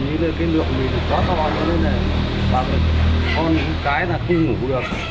những cái lượng mìn nó to to cho nên là con cái là không ngủ được